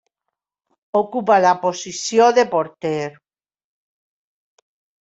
Ocupa la posició de porter.